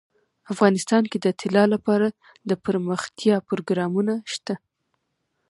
افغانستان کې د طلا لپاره دپرمختیا پروګرامونه شته.